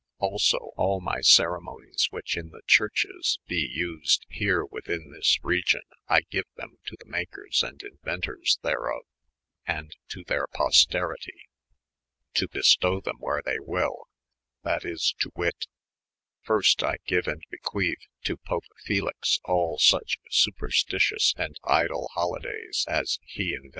Also, all my Ceremonies which in the Churches bee vsed here within this region, I gens them to the makers Sb inuentors ther of, & to their posteritie, to bestow them where thei wyll : that is to wyt : First, I geue and beqnethe to pope Phelix, all Buche supersticious & idle holydayes, as he inuented : Sb to :i zs.